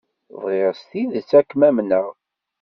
Bɣiɣ s tidet ad kem-amneɣ.